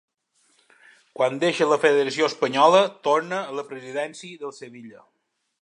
Quan deixa la Federació Espanyola torna a la presidència del Sevilla.